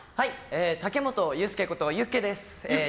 武本悠佑こと、ゆっけです。